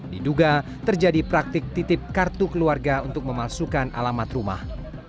diduga terjadi praktik titip kartu keluarga untuk memalsukan alamat rumah